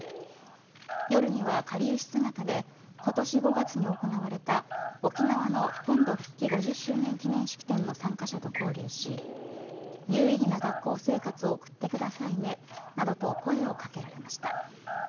夜には、かりゆし姿で今年５月に行われた沖縄の本土復帰５０周年記念式典の参加者と交流し有意義な学校生活を送ってくださいねなどと声をかけられました。